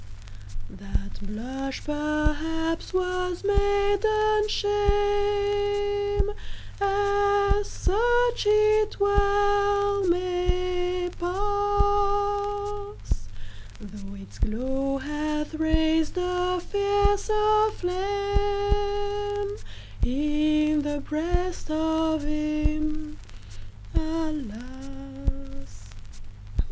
That blush, perhaps, was maiden shame As such it well may pass Though its glow hath raised a fiercer flame In the breast of him, alas!